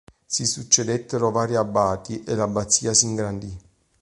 Si succedettero vari abati e l'abbazia s'ingrandì.